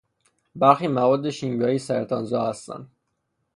برخی مواد شیمیایی سرطانزا هستند.